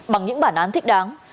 bằng những bản án thích đáng